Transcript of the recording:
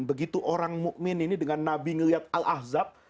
begitu orang mu'min ini dengan nabi ngeliat al ahzab